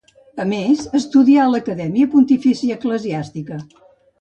A més, estudià a l'Acadèmia Pontifícia Eclesiàstica.